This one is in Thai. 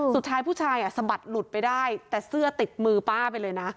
ผู้ชายผู้ชายสะบัดหลุดไปได้แต่เสื้อติดมือป้าไปเลยนะ